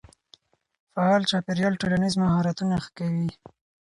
فعال چاپېريال ټولنیز مهارتونه ښه کوي.